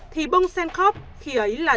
thì bongsen cóp khi ấy là